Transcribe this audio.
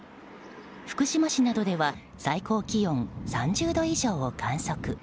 福島市などでは最高気温３０度以上を観測。